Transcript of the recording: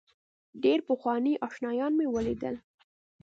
ډېر پخواني آشنایان مې ولیدل.